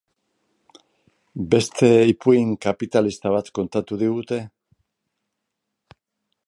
Beste ipuin kapitalista bat kontatu digute?